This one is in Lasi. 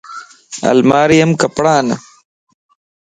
الماري ام ڪپڙا ان